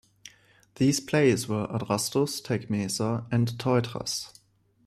These plays were "Adrastus", "Tecmesa" and "Teutras".